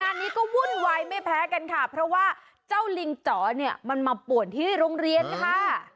งานนี้ก็วุ่นวายไม่แพ้กันค่ะเพราะว่าเจ้าลิงจ๋อเนี่ยมันมาป่วนที่โรงเรียนค่ะ